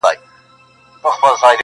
ما په قرآن کي د چا ولوستی صفت شېرينې,